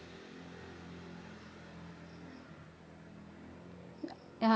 tidak ada yang mau